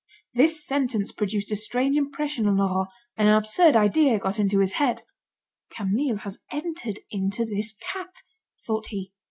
This sentence produced a strange impression on Laurent, and an absurd idea got into his head. "Camille has entered into this cat," thought he.